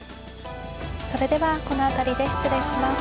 それではこの辺りで失礼します。